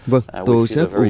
vâng tôi sẽ ủ